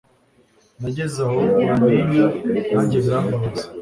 nageze aho bantinya nange birambabaza